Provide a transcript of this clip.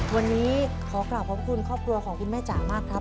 วันนี้ขอกลับขอบคุณครอบครัวของคุณแม่จ๋ามากครับ